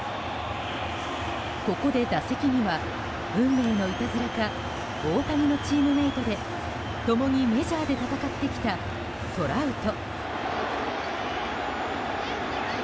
ここで打席には運命のいたずらか大谷のチームメートで共にメジャーで戦ってきたトラウト。